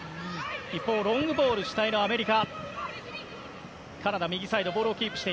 一方、ロングボール主体のアメリカ。